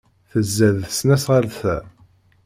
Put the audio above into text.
Tzad tesnasɣalt-a.